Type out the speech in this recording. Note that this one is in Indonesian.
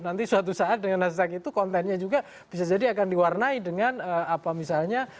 nanti suatu saat dengan hashtag itu kontennya juga bisa jadi akan diwarnai dengan apa misalnya